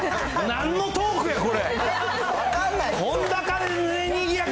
なんのトークや、これ。